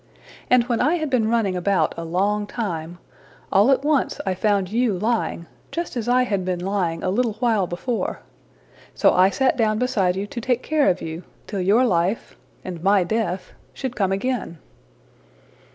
And when I had been running about a long time, all at once I found you lying, just as I had been lying a little while before. So I sat down beside you to take care of you, till your life and my death should come again.''